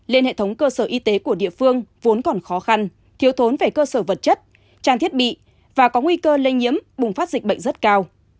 lên hệ thống cơ sở y tế của địa phương vốn còn khó khăn thiếu thốn về cơ sở vật chất trang thiết bị và có nguy cơ lây nhiễm bùng phát dịch bệnh rất cao